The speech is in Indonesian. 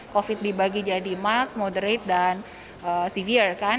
covid dibagi jadi mild moderate dan severe kan